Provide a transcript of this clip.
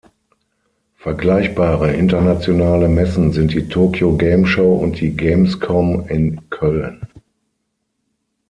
Vergleichbare internationale Messen sind die Tokyo Game Show und die Gamescom in Köln.